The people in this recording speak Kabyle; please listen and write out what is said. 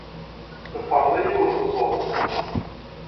Yeqreḍ-iyi yiwen n weẓru.